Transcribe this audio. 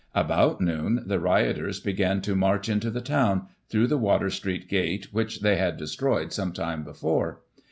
About noon, the rioters began to march into the town, through the Water Street gate, which they had destroyed some time before.